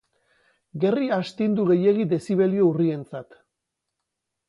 Gerri astindu gehiegi dezibelio urrientzat.